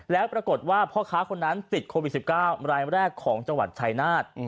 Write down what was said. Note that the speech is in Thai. แล้วปรากฏว่าพ่อค้าคนนั้นติดโควิด๑๙รายแรกของจังหวัดชายนาฏ